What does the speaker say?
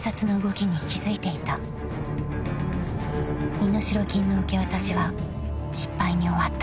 ［身代金の受け渡しは失敗に終わった］